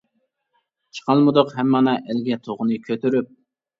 چىقالمىدۇق ھەم مانا ئەلگە تۇغنى كۆتۈرۈپ.